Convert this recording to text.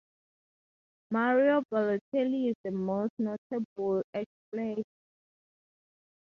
Mario Balotelli is the most notable ex-player.